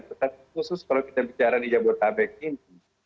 tetapi khusus kalau kita bicara di jabodetabek ini